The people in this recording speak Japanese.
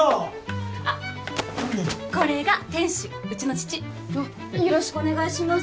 あっこれが店主うちの父あっよろしくお願いします